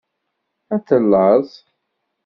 Ad tellaẓ.